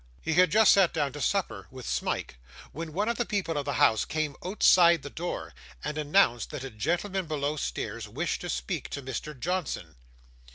He had just sat down to supper with Smike, when one of the people of the house came outside the door, and announced that a gentleman below stairs wished to speak to Mr. Johnson.